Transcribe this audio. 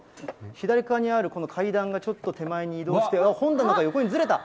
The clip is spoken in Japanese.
左側にあるこの階段がちょっと手前に移動して、本棚が横にずれた。